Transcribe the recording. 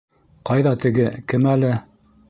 Ҡайҙа теге, кем әле?